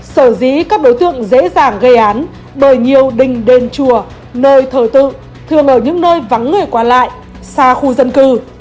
sở dĩ các đối tượng dễ dàng gây án bởi nhiều đình đền chùa nơi thờ tự thường ở những nơi vắng người qua lại xa khu dân cư